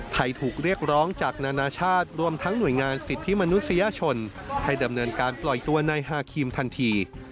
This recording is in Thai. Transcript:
ไทยถูกเรียกร้องจากนานาชาติ